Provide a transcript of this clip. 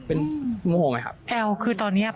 เอ๋คือยังมึงมั้ยครับ